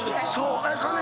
かね